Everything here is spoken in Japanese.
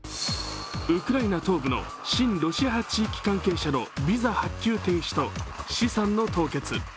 ウクライナ東部の親ロシア派地域関係者のビザ発給停止と資産の凍結。